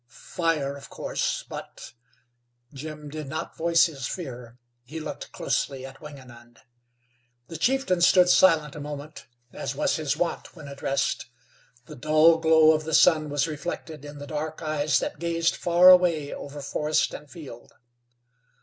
"Fire, of course, but " Jim did not voice his fear; he looked closely at Wingenund. The chieftain stood silent a moment as was his wont when addressed. The dull glow of the sun was reflected in the dark eyes that gazed far away over forest and field.